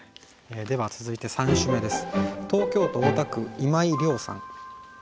では続いて３首目です。